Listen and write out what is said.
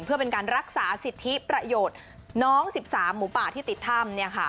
เพื่อเป็นการรักษาสิทธิประโยชน์น้อง๑๓หมูป่าที่ติดถ้ำ